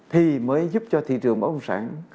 thì mới giúp cho thị trường báo công sản